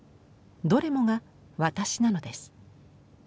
どれもが「ワタシ」なのです。